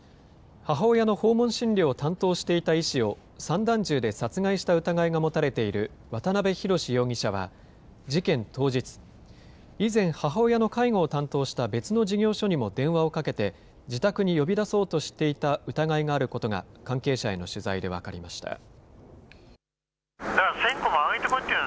母親の訪問診療を担当していた医師を散弾銃で殺害した疑いが持たれている渡邊宏容疑者は、事件当日、以前、母親の介護を担当した別の事業所にも電話をかけて、自宅に呼び出そうとしていた疑いがあることが、関係者への取材で分かりました。